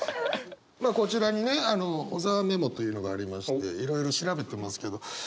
こちらにね小沢メモというのがありましていろいろ調べてますけど。